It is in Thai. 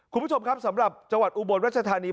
คุณผู้ชมครับสำหรับจังหวัดอุบลรัชธานี